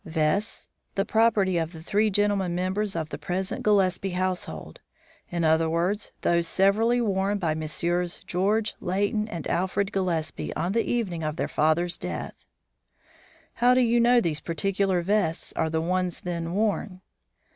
"Vests; the property of the three gentlemen members of the present Gillespie household; in other words, those severally worn by Messrs. George, Leighton, and Alfred Gillespie on the evening of their father's death." "How do you know these particular vests to be the ones then worn?"